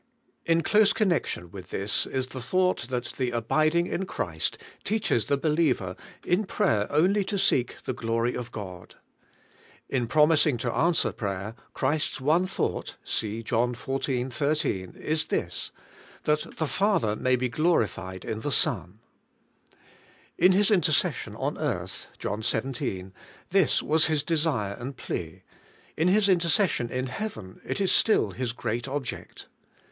In close connection with this is the thought, that the abiding in Christ teaches the believer in prayer only toseeh the glory of God. In promising to answer prayer, Christ's one thought (see John xiv, IS) is this, * that the father may he glorified in the So7i. ' In His intercession on earth {John xvii.)^ this was His desire and plea; in His intercession in heaven, it is still His great object.